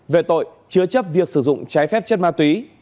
về tội chứa chấp việc sử dụng trái phép chất ma túy